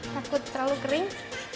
takut terlalu kering